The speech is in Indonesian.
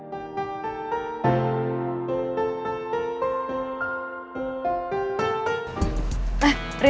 gimana kalau kita nengokin putri